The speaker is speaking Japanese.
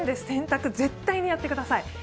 洗濯、絶対にやってください。